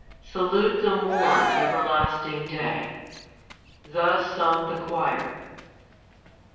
Salute the morn Of everlasting day." Thus sung the choir.